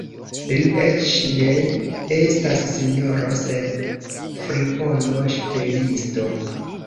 Li eĉ ne estas sinjoro, sed fripono, ŝtelisto!